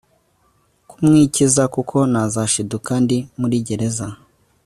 kumwikiza kuko nazashiduka ndi muri gereza